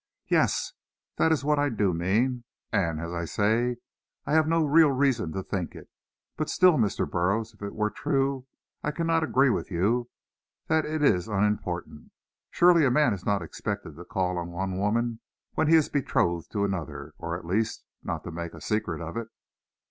"Yes, that is what I do mean. And, as I say, I have no real reason to think it. But still, Mr. Burroughs, if it were true, I cannot agree with you that it is unimportant. Surely a man is not expected to call on one woman when he is betrothed to another, or at least, not to make a secret of it."